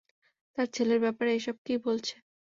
তার ছেলের ব্যাপারে এসব কী বলছে?